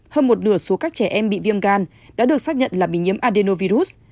hơn một nửa số các trẻ em bị viêm gan đã được xác nhận là bị nhiễm adenovirus